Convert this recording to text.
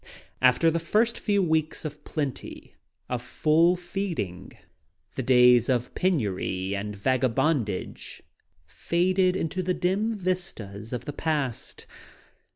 After the first few weeks of plenty, of full ing, the days of penury and vagabondage faded into the dim vistas of the past.